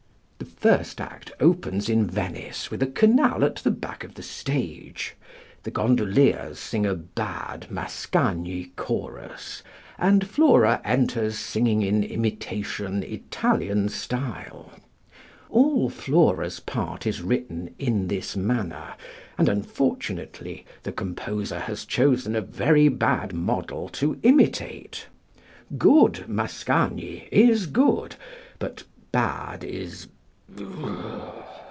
The first act opens in Venice with a canal at the back of the stage. The gondoliers sing a bad Mascagni chorus, and Flora enters singing in imitation Italian style. All Flora's part is written in this manner, and unfortunately the composer has chosen a very bad model to imitate good Mascagni is good, but bad is